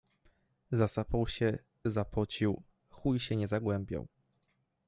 Zasapał się, zapocił, chuj się nie zagłębiał